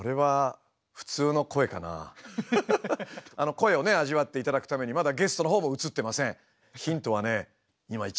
声をね味わっていただくためにまだゲストのほうも映ってません。